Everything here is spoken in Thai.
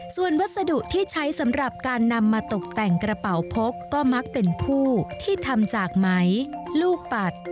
ส่วนวัสดุที่ใช้สำหรับการนำมาตกแต่งกระเป๋าพกก็มักเป็นผู้ที่ทำจากไหมลูกปัด